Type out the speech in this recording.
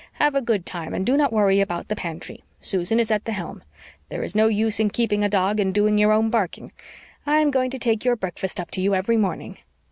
"Have a good time and do not worry about the pantry. Susan is at the helm. There is no use in keeping a dog and doing your own barking. I am going to take your breakfast up to you every morning."